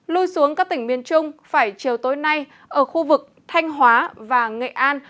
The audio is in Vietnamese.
lui xuống các tỉnh miền trung phải chiều tối nay ở khu vực thanh hóa và nghệ an